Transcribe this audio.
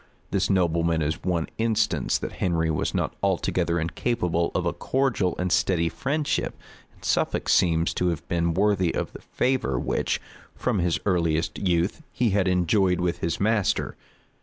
This nobleman is one instance that Henry was not altogether incapable of a cordial and steady friendship; and Suffolk seems to have been worthy of the favor which, from his earliest youth, he had enjoyed with his master.